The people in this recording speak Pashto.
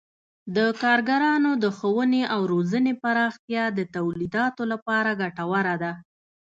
د کارګرانو د ښوونې او روزنې پراختیا د تولیداتو لپاره ګټوره ده.